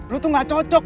lo tuh gak cocok